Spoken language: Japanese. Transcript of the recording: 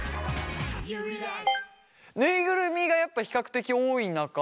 ぬいぐるみがやっぱ比較的多い中